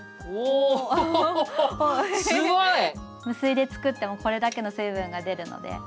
無水で作ってもこれだけの水分が出るので。